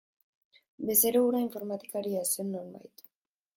Bezero hura informatikaria zen nonbait.